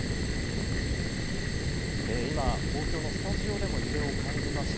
今、東京のスタジオでも揺れを感じました。